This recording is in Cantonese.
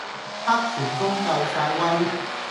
黑旋風夠晒威